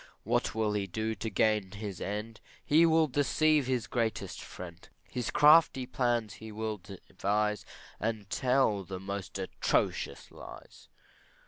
What will he do to gain his end? He will deceive his dearest friend, His crafty plans he will devise, And tell the most atrocious lies.